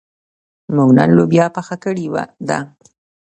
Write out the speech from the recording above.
موږ نن لوبیا پخه کړې ده.